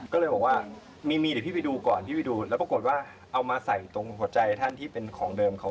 ก็เลยบอกว่ามีมีเดี๋ยวพี่ไปดูก่อนพี่ไปดูแล้วปรากฏว่าเอามาใส่ตรงหัวใจท่านที่เป็นของเดิมเขา